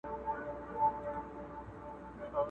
محرابونه به موخپل جومات به خپل وي!!